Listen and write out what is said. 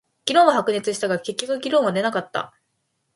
議論は白熱したが、結局結論は出なかった。